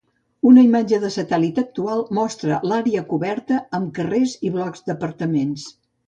Una imatge de satèl·lit actual mostra l'àrea coberta amb carrers i blocs d'apartaments.